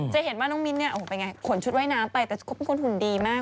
จะเห็นว่าน้องมิ้นเนี่ยโอ้โหเป็นไงขนชุดว่ายน้ำไปแต่เขาเป็นคนหุ่นดีมาก